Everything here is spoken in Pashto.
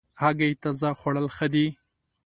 هګۍ تازه خوړل ښه دي.